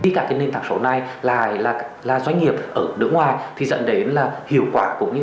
c tie cả các viên tập số này là là doanh nghiệp ở nước ngoài thì dẫn đến là hiệu quả cũng như